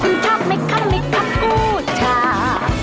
คุณชอบไม๊ค่ะไม๊ค่ะพูดจ้า